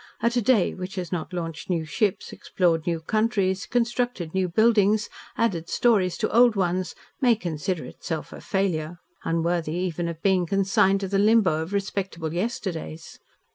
A to day which has not launched new ships, explored new countries, constructed new buildings, added stories to old ones, may consider itself a failure, unworthy even of being consigned to the limbo of respectable yesterdays.